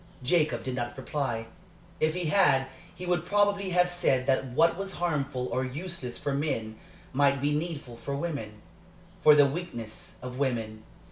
Jacob did not reply. If he had, he would probably have said that what was harmful or useless for men might be needful for women for the weakness of women.